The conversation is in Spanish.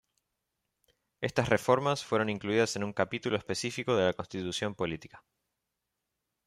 Estas reformas fueron incluidas en un capítulo específico de la Constitución Política.